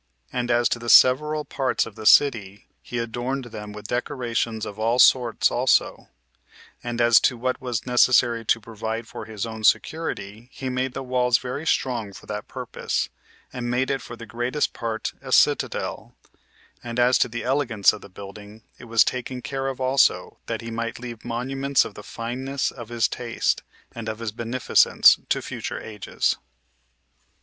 And as to the several parts of the city, he adorned them with decorations of all sorts also; and as to what was necessary to provide for his own security, he made the walls very strong for that purpose, and made it for the greatest part a citadel; and as to the elegance of the building, it was taken care of also, that he might leave monuments of the fineness of his taste, and of his beneficence, to future ages.